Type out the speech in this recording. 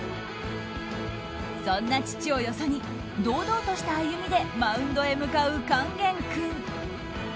そんな父をよそに堂々とした歩みでマウンドへ向かう勸玄君。